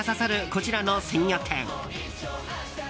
こちらの鮮魚店。